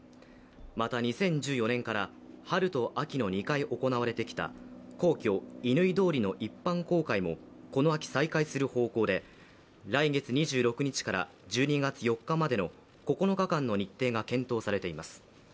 また２０１４年から春と秋の２回行われてきた皇居・乾通りの一般公開もこの秋、再開する方向で来月２６日から、１２月４日までの９日間の日程が検討されています。